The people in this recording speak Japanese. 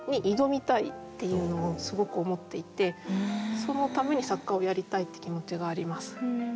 そのために作家をやりたいって気持ちがあります。